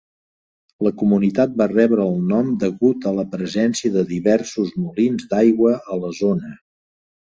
La comunitat va rebre el nom degut a la presència de diversos molins d'aigua a la zona.